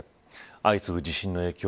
相次ぐ地震の影響